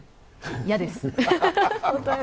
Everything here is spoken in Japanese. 嫌です。